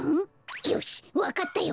よしわかったよ！